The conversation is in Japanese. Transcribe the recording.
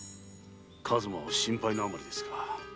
数馬を心配のあまりですか。